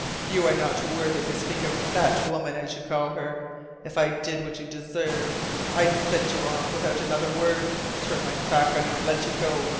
"You are not worthy to speak of 'that woman,' as you call her. If I did what you deserve, I'd send you off without another word turn my back on you and let you go.